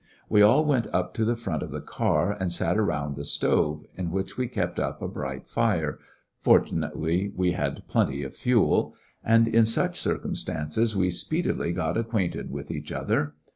We aU went up to the front of the car and sat around the stove^ in which we kept up a bright fire,— fortunately, we had plenty of fuel,— and io such circumstances we speedily got acquainted with each other.